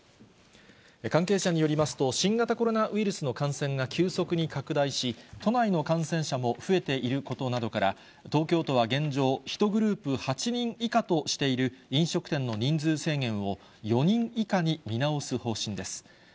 関係者によりますと、新型コロナウイルスの感染が急速に拡大し、都内の感染者も増えていることなどから、東京都は現状、１グループ８人以下としている飲食店の人数制限を、４人以下に見直す方針です。